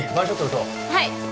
はい。